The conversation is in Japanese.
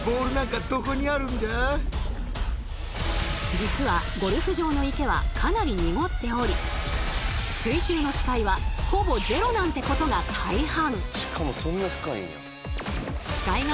実はゴルフ場の池はかなりにごっており水中の視界はほぼゼロなんてことが大半。